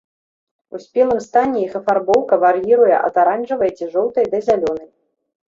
У спелым стане іх афарбоўка вар'іруе ад аранжавай ці жоўтай да зялёнай.